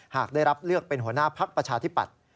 หากได้รับเลือกเป็นหัวหน้าพักประชาธิปัตย์